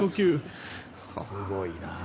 すごいなあ。